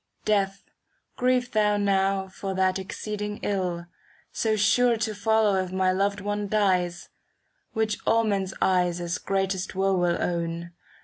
Death, grieve thou now for that exceeding ill, So sure to follow if my loved One dies; Which all men's eyes as greatest woe will own.